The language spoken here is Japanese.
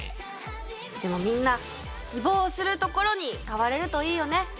でもみんな希望するところに買われるといいよね。